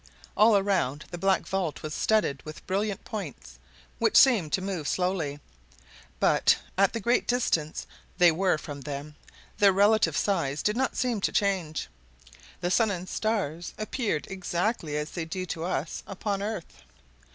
All around the black vault was studded with brilliant points, which seemed to move slowly; but, at the great distance they were from them, their relative size did not seem to change. The sun and stars appeared exactly as they do to us upon earth.